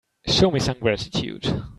Show me some gratitude.